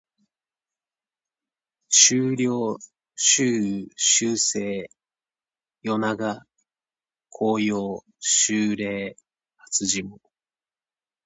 秋涼秋雨秋晴夜長紅葉秋麗初霜